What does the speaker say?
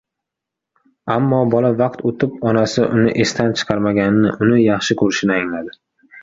Ammo bola vaqt oʻtib onasi uni esdan chiqarmaganini, uni yaxshi koʻrishini angladi